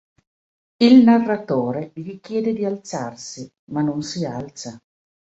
Il narratore gli chiede di alzarsi, ma non si alza.